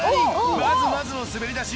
まずまずの滑り出し